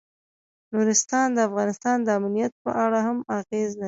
نورستان د افغانستان د امنیت په اړه هم اغېز لري.